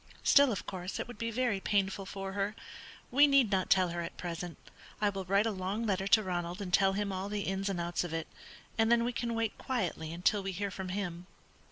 Still, of course, it would be very painful for her. We need not tell her at present; I will write a long letter to Ronald and tell him all the ins and outs of it, and then we can wait quietly until we hear from him."